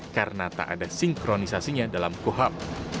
karena tak ada sinkronisasinya dalam kohab